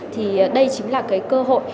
thì đây chính là cái cơ hội